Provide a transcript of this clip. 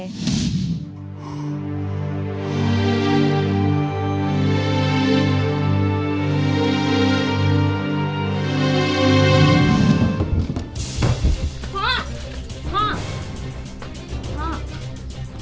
พ่อพ่อ